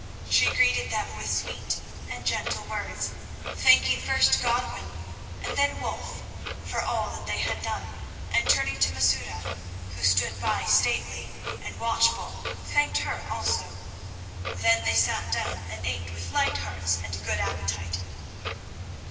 She greeted them with sweet and gentle words, thanking first Godwin and then Wulf for all that they had done, and turning to Masouda, who stood by, stately, and watchful, thanked her also. Then they sat down, and ate with light hearts and a good appetite.